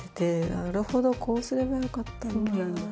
なるほどこうすればよかったんだって。